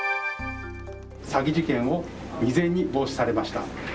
詐欺事件を未然に防止されました。